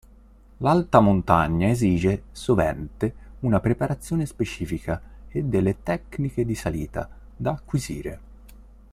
L'alta montagna esige sovente una preparazione specifica e delle tecniche di salita da acquisire.